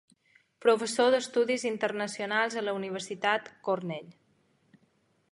Professor d'Estudis Internacionals a la Universitat Cornell.